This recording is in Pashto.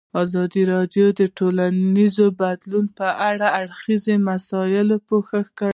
ازادي راډیو د ټولنیز بدلون په اړه د هر اړخیزو مسایلو پوښښ کړی.